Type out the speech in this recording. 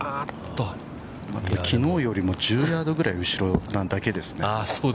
◆きのうよりも１０ヤードぐらい後ろなだけですね。